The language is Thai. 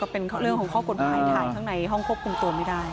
เป็นเรื่องของข้อกฎหมายถ่ายข้างในห้องควบคุมตัวไม่ได้